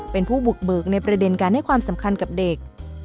เป็นผู้บุกเบิกในประเด็นการให้ความสำคัญกับเด็ก